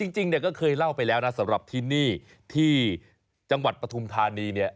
จริงเนี่ยก็เคยเล่าไปแล้วนะสำหรับที่นี่ที่จังหวัดปฐุมธานีเนี่ย